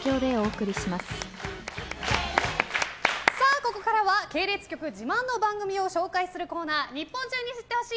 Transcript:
ここからは系列局自慢の番組を紹介するコーナー日本中に知ってほしい！